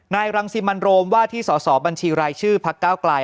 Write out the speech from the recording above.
รังสิมันโรมว่าที่สอสอบัญชีรายชื่อพักเก้าไกล